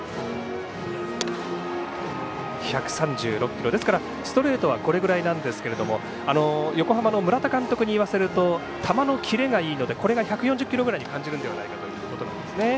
１３６キロ、ストレートはこれぐらいなんですけれども横浜の村田監督に言わせると球のキレがいいのでこれが１４０キロぐらいに感じるのではないかということですね。